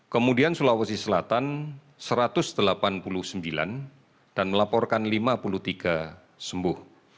kemudian sulawesi selatan satu ratus delapan puluh sembilan dan melaporkan lima puluh tiga sembuh